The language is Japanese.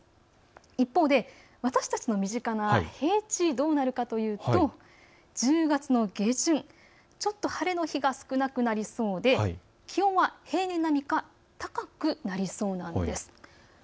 一方で私たちの身近な平地はどうなるかといいますと１０月の下旬、少し晴れの日が少なくなりそうで平年並みか高くなりそうです。